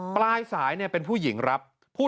ปลายสายเนี่ยเป็นผู้หญิงรับ